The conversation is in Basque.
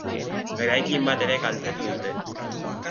Eraikin bat ere kaltetu dute.